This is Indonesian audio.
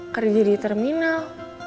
kerja di terminal